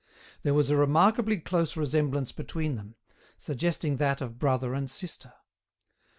There was a remarkably close resemblance between them, suggesting that of brother and sister.